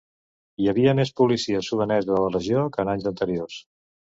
Hi havia més policia sudanesa a la regió que en anys anteriors.